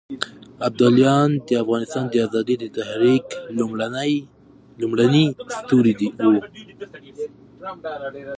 ابداليان د افغانستان د ازادۍ د تحريک لومړني ستوري وو.